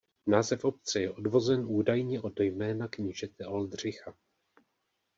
Název obce je odvozen údajně od jména knížete Oldřicha.